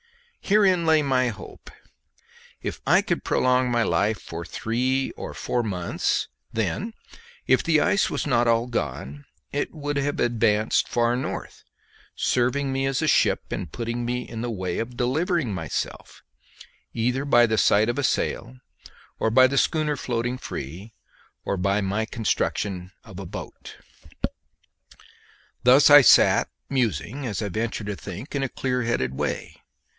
Herein lay my hope; if I could prolong my life for three or four months, then, if the ice was not all gone, it would have advanced far north, serving me as a ship and putting me in the way of delivering myself, either by the sight of a sail, or by the schooner floating free, or by my construction of a boat. Thus I sat musing, as I venture to think, in a clearheaded way.